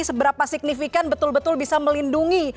seberapa signifikan betul betul bisa melindungi